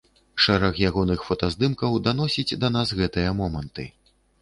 Шэраг ягоных фотаздымкаў даносіць да нас гэтыя моманты.